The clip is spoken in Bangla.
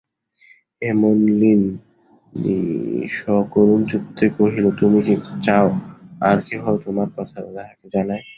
হেমনলিনী সকরুণচিত্তে কহিল, তুমি কি চাও আর-কেহ তোমার কথা তাঁহাকে জানায়?